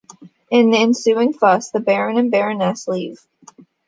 In the ensuing fuss, the Baron and Baroness leave.